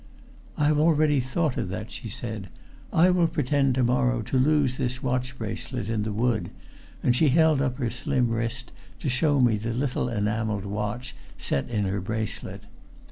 "I have already thought of that," she said. "I will pretend to morrow to lose this watch bracelet in the wood," and she held up her slim wrist to show me the little enameled watch set in her bracelet.